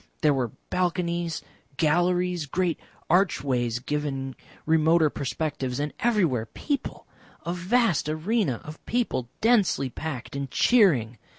There were balconies, galleries, great archways giving remoter perspectives, and everywhere people, a vast arena of people, densely packed and cheering.